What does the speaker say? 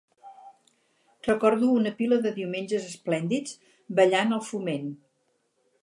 Recordo una pila de diumenges esplèndids ballant al Foment.